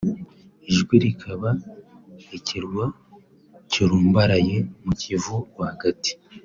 Ijwi rikaba Ikirwa kirumbaraye mu Kivu rwagati